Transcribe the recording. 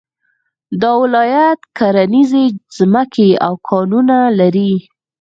دا ولایت کرنيزې ځمکې او کانونه لري